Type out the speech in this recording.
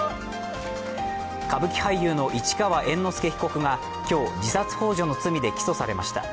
歌舞伎俳優の市川猿之助被告が今日、自殺ほう助の罪で起訴されました。